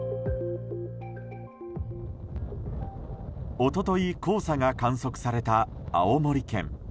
一昨日黄砂が観測された青森県。